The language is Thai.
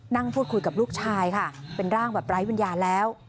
นั่งพูดคุยกับลูกชายค่ะเป็นร่างแบบไร้วิญญาณแล้ว